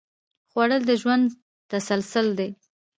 خوړل د ژوند تسلسل دی